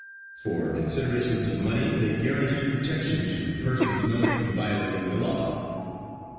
For considerations of money they guaranteed protection to persons known to be violating the law.